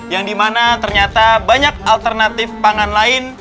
yang dimana ternyata banyak alternatif pangan lain